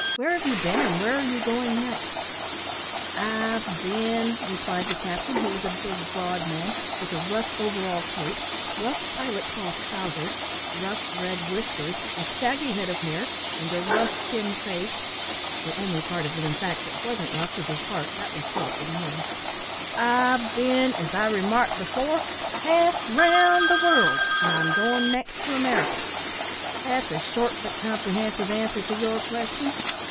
Where have you been, and where are you going next?" "I've been," replied the captain, who was a big, broad man with a rough over all coat, rough pilot cloth trousers, rough red whiskers, a shaggy head of hair, and a rough skinned face; the only part of him, in fact, which wasn't rough was his heart; that was soft and warm "I've been, as I remarked before, half round the world, and I'm goin' next to America. That's a short but comprehensive answer to your question.